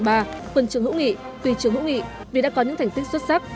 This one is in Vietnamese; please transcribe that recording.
huân trường hữu nghị tùy trường hữu nghị vì đã có những thành tích xuất sắc